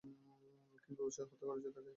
কী বিভৎসভাবে হত্যা করেছে তাকে!